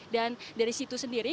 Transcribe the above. dan dari situ sendiri